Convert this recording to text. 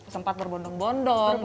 sempat berbondong bondong gitu